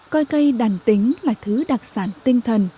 coi cây đàn tính là thứ đặc sản tinh thần